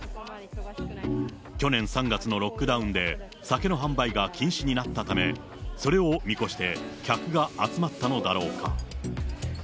去年３月のロックダウンで酒の販売が禁止になったため、それを見越して、客が集まったのだろうか。